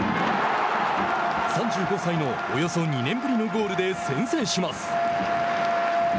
３５歳の、およそ２年ぶりのゴールで先制します。